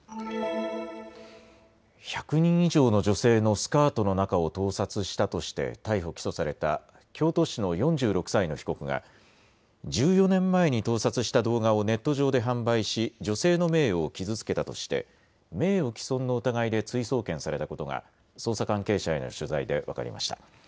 １００人以上の女性のスカートの中を盗撮したとして逮捕・起訴された京都市の４６歳の被告が１４年前に盗撮した動画をネット上で販売し女性の名誉を傷つけたとして名誉毀損の疑いで追送検されたことが捜査関係者への取材で分かりました。